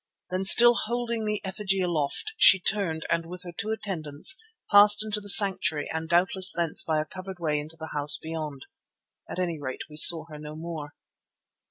Then still holding the effigy aloft, she turned and with her two attendants passed into the sanctuary and doubtless thence by a covered way into the house beyond. At any rate we saw her no more.